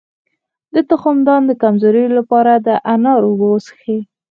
د تخمدان د کمزوری لپاره د انار اوبه وڅښئ